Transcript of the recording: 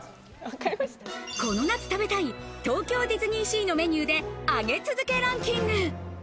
この夏食べたい、東京ディズニーシーのメニューで、上げ続けランキング。